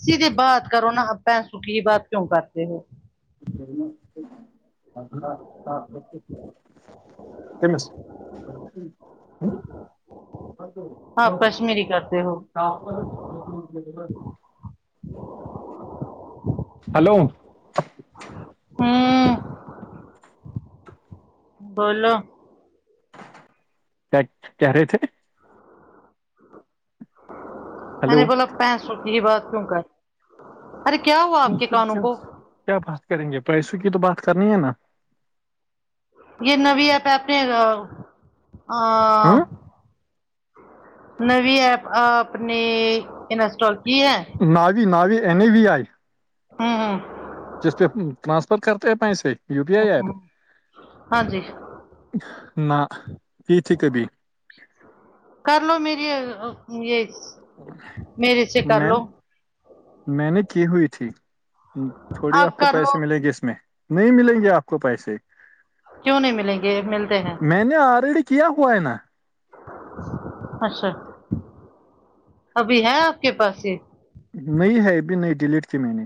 سیے بات کرو نہاپ سکی کی بعات کیوں کرتے ہو ا [unintelligible] تمس [unintelligible] ہاں کشمیری کرتے ہو شپ [unintelligible] ہلو پے [unintelligible] بولو کیا کیاارے تھے [unintelligible] میں ہلو نے بولا پینسو کی بات کیوں کر ارے کیا ہوا تو آپ کے پھر کانوں کیا کو کیا بات کریں گے پیسوں کی تو بات کرنی ہے نا یہ نویں ہے پیپریں کا ہاں نویں ایپ آپ نے انسٹال کی ہے ناوی ناوی این ا بی آئی ہوں ہوں جس پہ ٹرانسفر کرتے ہیں پیسے یو پی آئی ایپ ہاں جی نہ یہ تھی کبھی کر لو میری یہ میرے سے کر میں لو میں نے کی ہوئی تھی تھوڑی آپ کو کر لو پیسے ملیں گے اس میں نہیں ملیں گے آپ کو پیسے کیوں نہیں ملیں گے ملتے ہیں میں نےے آلریڈی کی ہوائ نا اچھا ابھی ہے آپ کے پاس یہ نہیں ہے ابھی نہیں ڈیلیٹ تھی میں نے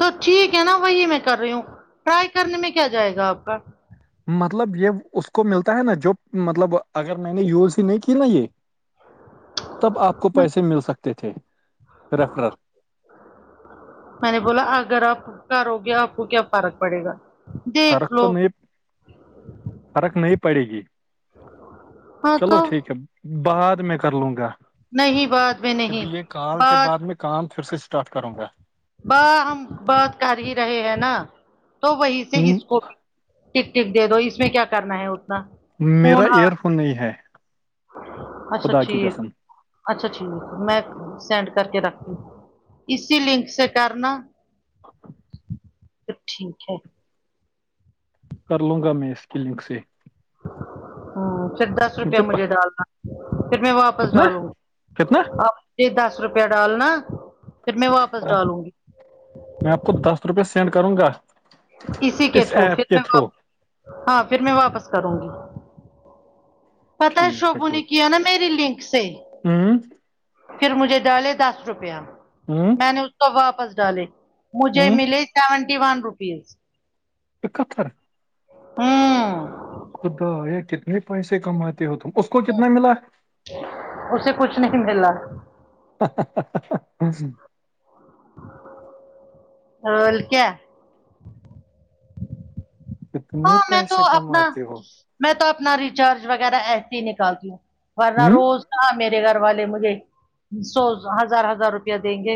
تو ٹھیک ہے نا وہی میں کر رہی ہوں ٹرائی کرنے میں کیا جائے گا آپ کا مطلب یہ اس کو ملتا ہے نا جو مطلب اگر میں نے یوز ہی نہیں کی نا یہ تب آپ کو پیسے مل سکتے تھے ریفرر میں نے بولا اگر آپ کرو گے آپ کو کیا فرق پڑے گا فرق دیکھ تو لو نہیں فرق نہیں پڑے گی ہاں چلو تو ٹھیک ہے بعد میں کر لوں گا نہیں بعد میں نہیں ابھی یہ کال کے بعد بات میں کام پھر سے اسٹارٹ کروں گا باہ ہم بات کر ہی رہے ہیں نا تو وہیں سے اس م- کو بھی ٹک ٹک دے دو اس میں کیا کرنا ہے اتنا میرا فون ایئر ہاتھ فون نہیں ہے اچھا خدا کی ٹھیک قسم [unintelligible] اچھا ٹھیک میں سینڈ کر کے رکھ دوں اسی لنک سے کرنا اچھا [inaudible] سب ٹھیک ہے [unintelligible] کر لوں گا میں اس کلینک سے ہ پھر دس روپیہ مجھے ڈالنا پھر میںپ واپس کتنا ڈالوں گی کتنا آپ مجھے دس روپیہ ڈالنا پھر میں واپس ڈالوں گی میں آپ کو دس روپئے سینڈ کروں گا اسی کے اس تھرو پھر ایپ کے میں تھرو ہاں پھر میں واپس کروں گی پتا ہے ٹھیک شوبو نے کوئی۔ کیا نا میری لنک سے ہوں پھر مجھے ڈالے دس روپیہ ہوں میں اس کو واپس ڈالے مجھے ہوں ملے سیونٹی ون روپیز اکہتھر [unintelligible] ہاں خدا یا کتنے پیسے کماتے ہو تم اس کو کتنا ملا اسے کچھ نہیں ملا ہ [unintelligible] اور کیا کتنے ہاں میں تو پیسے اپنا کماتے ہو میں تو اپنا ریچارج وغیرہ ایس ہی نکالتی ہوں ورنہ ہوں روز کہاں میی گھر والے مجھے سو ہزار ہزار روپیہ دیں گے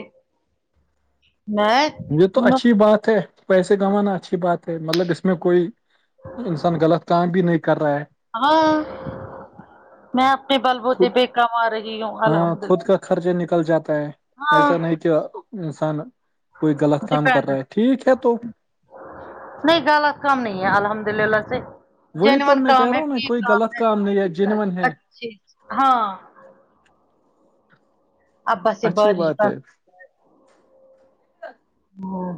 [unintelligible] یہ تو اچھی بات ہے پیسے کمانا اچھی بات ہے مطلب اس میں کوئی انسان غلط کام بھی نہیں کر رہا ہے ہاں میں آپنے بل بوتے خود پہ کما رہی ہوں ہاں الحمد خود للہ کا خرچہ نکل جاتا ہے ہاں ایسا نہیں کہ انسان کوئی غلط کام کر ڈپینڈ رہا ہے ٹھیک ہے تو نہیں غلط کام نہیں ہے الحمد للہ سے وہی تو جینن میں کام کہہ رہا ہے ہوں نا کوئی کام غلط ہے نہیں جینون ہے اچھ ہاں ابا سے اچھی بارش بات با ہے ہاں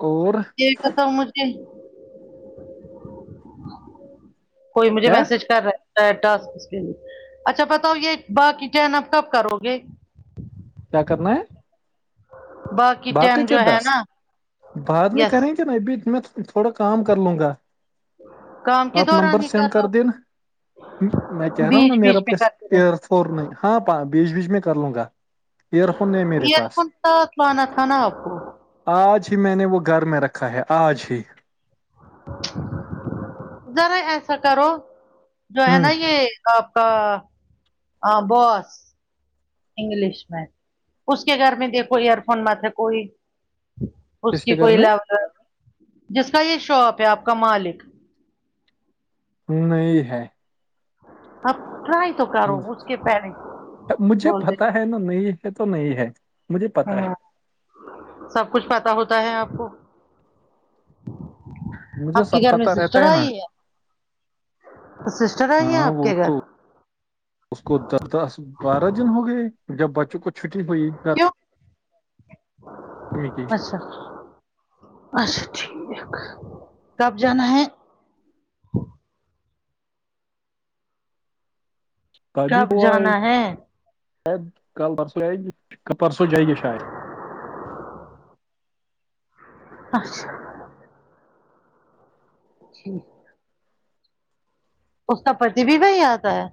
اور یہ تو مجھے کوئی مجھے کیا میسج کر رہا ٹاسک کے لیے اچھا بتاؤ یہ باقی چٹین آپ کب کرو گے کیا کرنا ہے بات باقی کے دس بعد میں یس کریں گے نا ابھی میں تھوڑا کام کر لوں گا کام کے آپ نمبر دوران ہی سینڈ کر لو د ینا میں کہہ رہا ہوں نا بیچ میرا بیچ میں پس کرتے ایئر رہے فور نہیں ہاں بیچ بیچ میں کر لوں گا ایئر فون نہیں میرے ایئر پاس فون ساتھ لانا تھا نا آپ کو آج ہی میں نے وہ گھر میں رکھا ہے آج ہی ذرا ایسا کرو جو ہے ہوں نا یہ آپ کا ہاں بس انگلش میں اس کے گھر میں دیکھو ایئر فون مت ہے کوئی اس کس کی کے گھر کوئی میں جس کا یہ شاپ ہے آپ کا مالک نہیں ہے اب مجھے بولتے پتی ہے نا نہیں ہے تو نہیں ہے مجھے پتا ہاں ہے سب کچھ پتا ہوتا ہے آپ کو مجھے آپ کے سب گھر میں پتا سسٹر رہتا نا آئی ہے سسٹر آئی ہے ہاں آپ وہ کے گھر تو اس کو دس دس بارہ دن ہو گئے جب بچوں کو چھٹی ہوئی گ کیوں کی اچھا اچھا ٹھیک کب جانا ہے ابھی کب وہ جانا ہے آے کل پرسوں جائے گے پرسوں جائے گے شاید اچھا جی اس کا پتی بھی وہی آتا ہے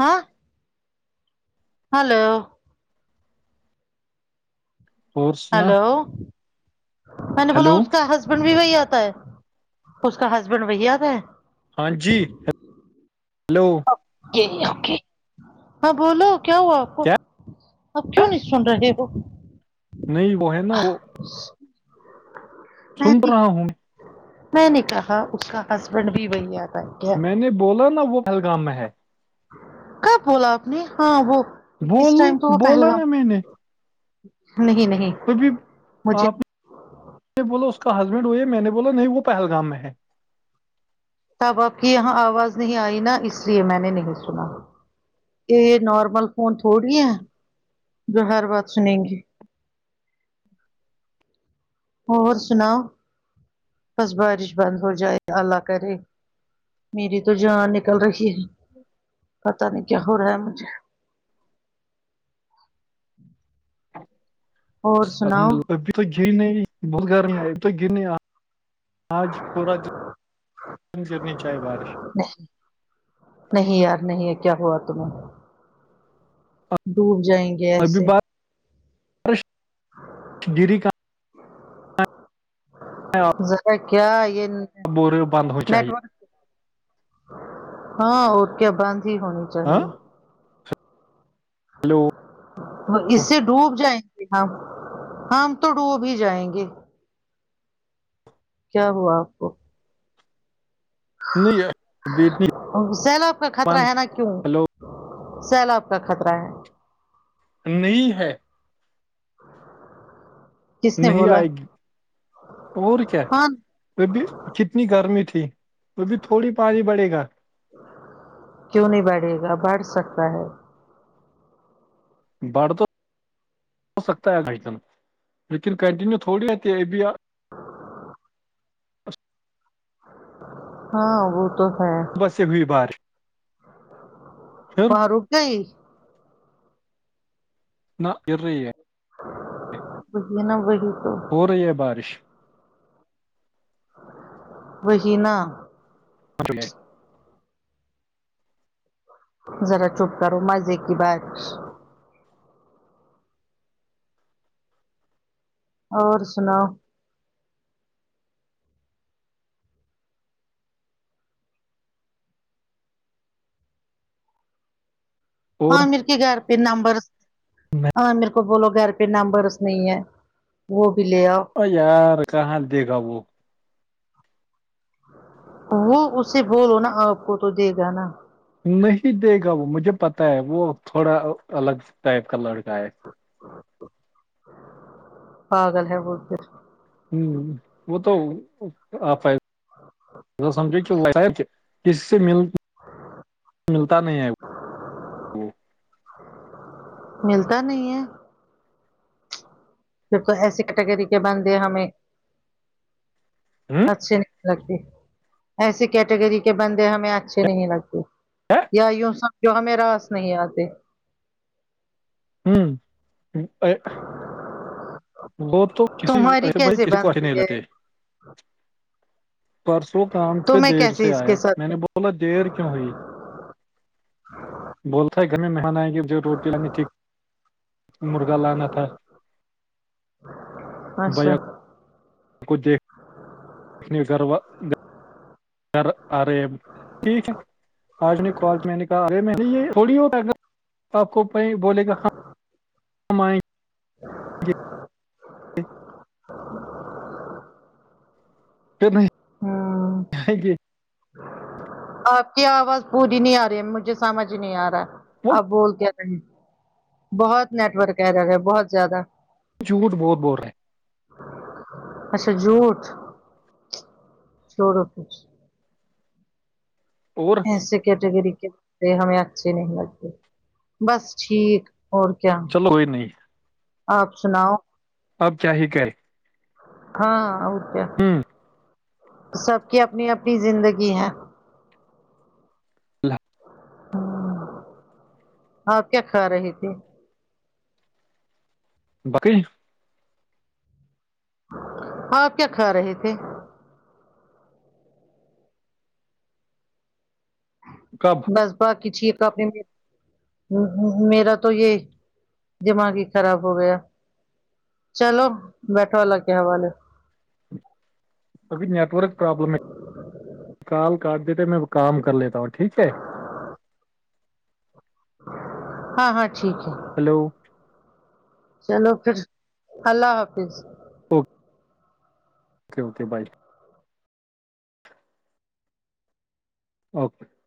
ہاں ہلو اور سنا ہو میں نے بولا ہیلو اس کا ہسبینڈ بھی وہی آتا ہے اس کا ہسبینڈ وہی آتا ہے ہا جی ہلو ہاں بولو کیا ہوا آپ کو کیا اب کیوں نہیں سن رہے ہو نہیں وہ ہے نا وہ سنٹ رہا ہوں میں نے کہا اس کا ہسبینڈ بھی وہی آتا ہے کیا میں نے بولا نا وہ پہلگام میں ہے کب بولا آپ نے ہاں وہ اس بول ٹائم تو وہ بولا نا پہلگام میں نے نہیں نہیں توبھی مجھے آپ بولو اس کا ہسبینڈ ہوئے ہے میں نے بولا نہیں وہ پہلگام میں ہے اب آپ کی یہاں آواز نہیں آئی نا اس لیے میں نے نہیں سنا یہ نارمل فون تھوڑی ہے جو ہر بات سنیں گے اور سنا بس بارش بند ہو جائے اللہ کرے میری تو جان نکل رہی ہے پتا نہیں کیا ہو رہا ہے مجھے اور سناؤ ابھی تو گ نہیں ب گار نہیں ابھی تو گ نہیں آج پورا د نہیں نہیں یار نہیں ہے کیا ہوا تمیں ڈوب جائیں ابھی ب ڈری کا ذرا کیا یہ نیٹ بور بند ہو چاہیے ورک ہاں اور کیا بند ہی ہونی ہاں چاہیے ہیلو اس سے ڈوب جائیں گے ہم ہم تو ڈوب ہی جائیں گے کیا ہوا آپ کو نہیں ابھی اتنی سیلاب کا خطرہ بند ہے نا کیوں ہلو سیلاب کا خطرہ ہے نہیں ہے کس نے نہیں بولا آئے گی اور کیا ہاں وہ بھی کتنی گرمی تھی وہ بھی تھوڑی پانی بڑے گا کیوں نہیں بڑھے گا بڑھ سکتا ہے بڑھ تو ہو سکتا ہےن لیکن کنٹینیو تھوڑی ہےتی اب ہ ہاں وہ تو ہے بس سے ہوئی بار ماروخ کئی نہ ا رہی بیا نا بڑی تو ہو رہی ہے بارش وہہینہ اے ذرا چپ کرو مزے کی بات اور سناؤ اور عامر کے گھر پہ نمبر عامریر کو بولو گھر پہ پہ نمبرس نہیں ہے وہ بھی لے آؤ ا یار کہاں دے گا وہ وہ اس سے بولو نا آپ کو تو دے گا نا نہیں دے گا وہ مجھے پتا ہے وہ تھوڑا الگ ٹائپ کا لڑکا ہے پاگل ہے بول پھر ہ وہ تو آم کسی سے مل ملتا نہیں ہے وہ ملتا نہیں ہے پھر تو ایسی کیٹیگری کے بندھے ہمیں ہ اچھے لگ ایسی کیٹیگری کے بندے ہمیں اچھے نہیں لگتے یا یوں سمجھو ہمیں راس نہیں آتے ہوں ا وہ تو کسی تمہاری ایسے بھائی کیسے کسی کو آسی بنتی نہیں ہے لتے [unintelligible] پرسوں کام پہ تمہیں دیر کیسے سے اس کے آیا میں ساتھ نے بہت بولا دیر کیوں ہوئی بولتا گھر میں مہان آئیں گے روٹی لانی تٹیک مرغا لانا تھا اچھا کھے گھر و گھر آ رہے ہیں ٹھیک ہے [unintelligible] آج کالج میں نے کہا ارے یہ تھوڑی آپ کو بولے گ [unintelligible] س [unintelligible] [inaudible] ٹھیک [unintelligible] [inaudible] [inaudible] گڈ نائٹ ہوں تھینک یو [unintelligible] آپ کی آواز پوری نہیں آ رہی ہے مجھے سمجھ نہیں آ رہا ہے وہ آپ بول کے رہ بہت نیٹ ورک کہ رہا ہے بہت زیادہ جھوٹ بہت بول رہے ہیں اچھا جوٹ چٹو ہیں اور ایسے کیٹیگری کے ہمیں اچھے نہیں لگتے بس ٹھیک اور کیا چلو کوئی نہیں آپ سناؤ اب کیا ہی کریں ہاں ا کیا ہوں سب کی اپنی اپنی زندگی ہے اللہ [unintelligible] ہ اوراں کیا کھا رہی تھی بقی [unintelligible] ہاں آپ کیا کھا رہے تھے کب بس باقی چ ایک اپنے ہ میرا تو یہ دماغ ہی خراب ہو گیا چلو بیٹھو اللہ کے حوال ہے ابھی نیٹ ورک پرابلم ہے کال کاٹ دیتے میں کام کر لیتا ہوں ٹھیک ہے ہاں ہاں ٹھیک ہے ہلو چلو پھر اللہ حافظ تو [unintelligible] اوکے اوکے بائے [unintelligible] [unintelligible] اوکے